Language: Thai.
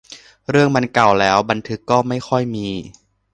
เรื่องมันเก่าแล้ว บันทึกก็ไม่ค่อยมี